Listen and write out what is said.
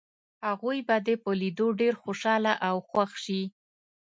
هغوی به دې په لیدو ډېر خوشحاله او خوښ شي.